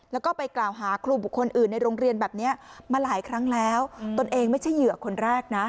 แล้วก็ไปกล่าวหาครูบุคคลอื่นในโรงเรียนแบบนี้มาหลายครั้งแล้วตนเองไม่ใช่เหยื่อคนแรกนะ